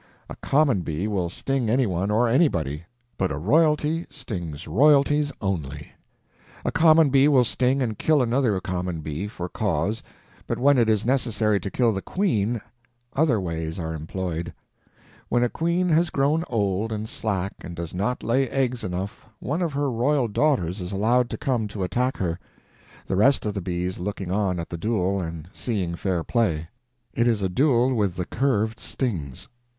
A common bee will sting any one or anybody, but a royalty stings royalties only. A common bee will sting and kill another common bee, for cause, but when it is necessary to kill the queen other ways are employed. When a queen has grown old and slack and does not lay eggs enough one of her royal daughters is allowed to come to attack her, the rest of the bees looking on at the duel and seeing fair play. It is a duel with the curved stings.